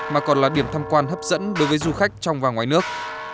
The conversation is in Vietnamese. mà còn là điểm tham quan hấp dẫn đối với du khách trong và ngoài nước